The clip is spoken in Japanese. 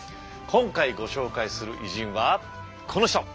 今回ご紹介する偉人はこの人。